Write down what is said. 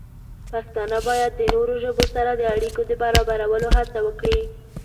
پښتانه باید د نورو ژبو سره د اړیکو د برابرولو هڅه وکړي.